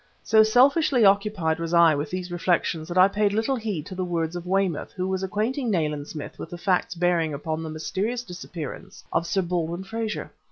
So selfishly occupied was I with these reflections that I paid little heed to the words of Weymouth, who was acquainting Nayland Smith with the facts bearing upon the mysterious disappearance of Sir Baldwin Frazer.